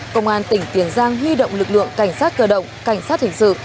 công an tỉnh tiền giang huy động lực lượng cảnh sát cơ động cảnh sát hình sự